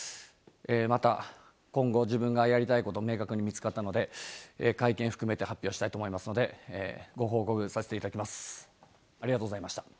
また今後、自分がやりたいこと、明確に見つかったので、会見含めて発表したいと思いますので、ご報告させていただきます。